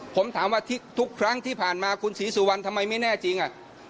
ผมถามว่าทุกครั้งที่ผ่านมาคุณศรีสุวรรณทำไมไม่แน่จริง